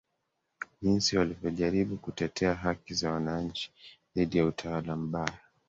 jinsi walivyojaribu kutetea haki za wananchi dhidi ya utawala mbaya